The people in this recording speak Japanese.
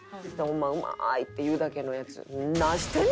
うまーい！って言うだけのやつ。